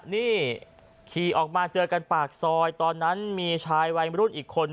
นี่ขี่ออกมาเจอกันปากซอยตอนนั้นมีชายวัยมรุ่นอีกคน